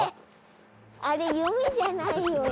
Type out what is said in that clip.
あれ夢じゃないよね？